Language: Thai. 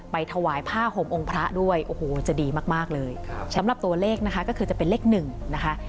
ถวายผ้าห่มองค์พระด้วยโอ้โหจะดีมากมากเลยสำหรับตัวเลขนะคะก็คือจะเป็นเลขหนึ่งนะคะ